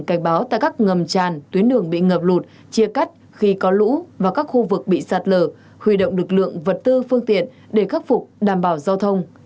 cảnh báo tại các ngầm tràn tuyến đường bị ngập lụt chia cắt khi có lũ và các khu vực bị sạt lở huy động lực lượng vật tư phương tiện để khắc phục đảm bảo giao thông